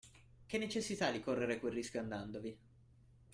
Che necessità di correre quel rischio andandovi?